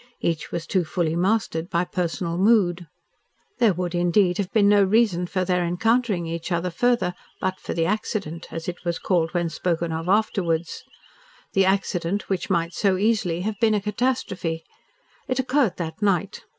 Each was too fully mastered by personal mood. There would, indeed, have been no reason for their encountering each other further but for "the accident," as it was called when spoken of afterwards, the accident which might so easily have been a catastrophe. It occurred that night.